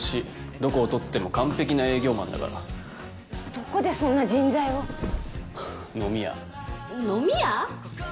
どこを取っても完璧な営業マンだからどこでそんな人材を飲み屋飲み屋？